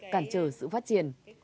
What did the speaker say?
cản trở sự phát triển